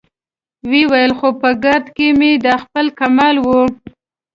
ويې ويل: خو په ګارد کې مې دا خپل کمال و.